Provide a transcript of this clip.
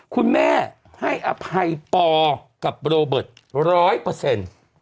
คุณแม่ให้อภัยปอกับโรเบิร์ตร้อยเปอร์เซ็นต์